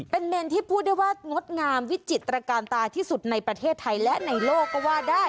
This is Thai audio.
เป็นเมนที่พูดได้ว่างดงามวิจิตรการตาที่สุดในประเทศไทยและในโลกก็ว่าได้